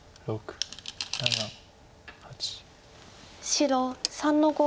白３の五。